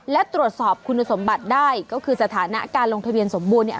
และตรวจสอบคุณสมบัติได้ก็คือสถานะการลงทะเบียนสมบูรณเนี่ย